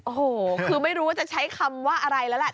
โอ้โหคือไม่รู้ว่าจะใช้คำว่าอะไรแล้วแหละ